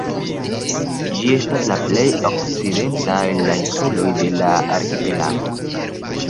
Ĝi estas la plej okcidenta el la insuloj de la arkipelago.